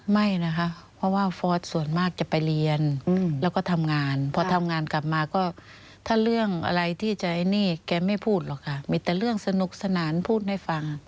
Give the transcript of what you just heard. ไม่นะคะเพราะว่าฟอร์สส่วนมากจะไปเรียนแล้วก็ทำงานพอทำงานกลับมาก็ถ้าเรื่องอะไรที่ใจนี่แกไม่พูดหรอกค่ะมีแต่เรื่องสนุกสนานพูดให้ฟัง